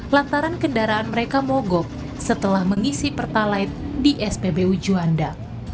lantaran kendaraan mereka mogok setelah mengisi pertalite di spbu juanda